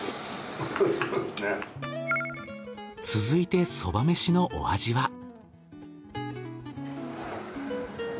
続いてそば飯のお味は？